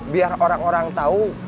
biar orang orang tau